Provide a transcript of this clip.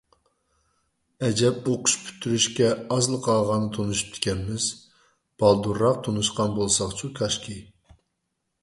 ئەجەب ئوقۇش پۈتتۈرۈشكە ئازلا قالغاندا تونۇشۇپتىكەنمىز، بالدۇرراق تونۇشقان بولساقچۇ كاشكى!